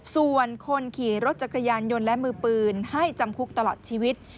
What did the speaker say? ส่วนคนขี่รถจักรยานยนต์และมือปืนให้จำคุกตลอดชีวิต